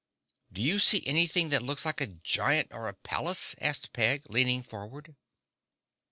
"Do you see anything that looks like a giant, or a palace?" asked Peg, leaning forward.